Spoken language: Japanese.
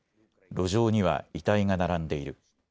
路上には遺体が並んでいる。